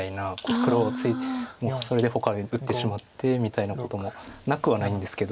黒それでほかに打ってしまってみたいなこともなくはないんですけど。